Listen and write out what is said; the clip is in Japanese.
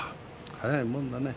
早いもんだね。